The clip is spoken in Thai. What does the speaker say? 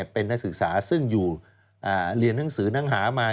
เป็นนักศึกษาซึ่งอยู่เรียนหนังสือหนังหามา